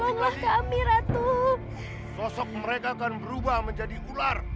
dalam beberapa detik lagi sosok mereka akan berubah menjadi ular